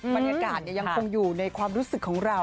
บรรยากาศยังคงอยู่ในความรู้สึกของเรา